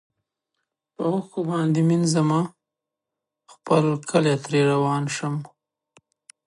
په اوښکو باندي مینځمه خپل کلی ترې روان شم